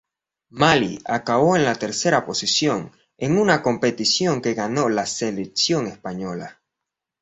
Malí acabó en la tercera posición en una competición que ganó la selección española.